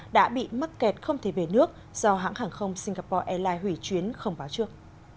đã bị mắc kẹt không thể về nước do hãng hàng không singapore airlines hủy chuyến không báo trước